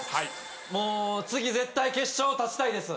もう次絶対決勝立ちたいです！